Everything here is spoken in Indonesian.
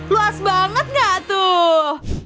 luas banget gak tuh